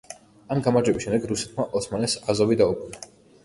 ამ გამარჯვების შემდეგ რუსეთმა ოსმალეთს აზოვი დაუბრუნა.